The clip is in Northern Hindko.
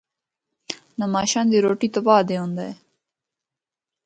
نماشاں دی روٹی تو بعد اے ہوندا اے۔